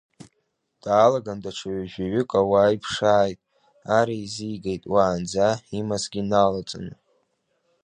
Даалаган даҽа ҩажәаҩык ауаа иԥшааит ар еизигеит уаанӡа имазгьы налаҵаны.